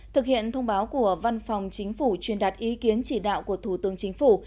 thực hiện thông báo của văn phòng chính phủ truyền đạt ý kiến chỉ đạo của thủ tướng chính phủ